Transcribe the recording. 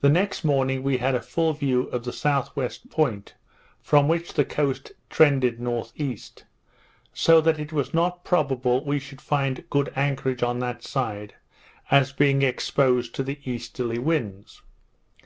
The next morning we had a full view of the S.W. point, from which the coast trended N.E.; so that it was not probable we should find good anchorage on that side, as being exposed to the easterly winds.